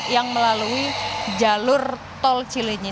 yang melalui jalur tol cilinyi